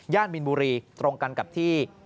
ย่านมิลบุรีตรงกันกับที่